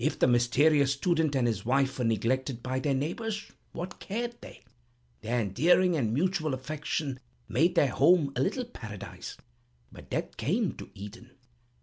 If the mysterious student and his wife were neglected by their neighbors, what cared they? Their endearing and mutual affection made their home a little paradise. But death came to Eden.